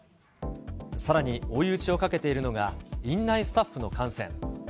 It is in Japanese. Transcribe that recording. さらに追い打ちをかけているのが、院内スタッフの感染。